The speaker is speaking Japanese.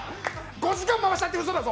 ５時間回したって、うそだぞ。